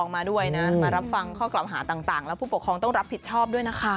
มาด้วยนะมารับฟังข้อกล่าวหาต่างแล้วผู้ปกครองต้องรับผิดชอบด้วยนะคะ